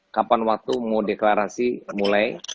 kapan waktu mau deklarasi mulai